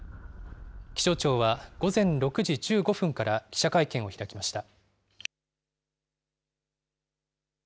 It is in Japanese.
気象庁は午前６時１５分から記者会見を開きました。